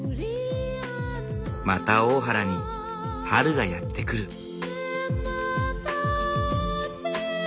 また大原に春がやって来る。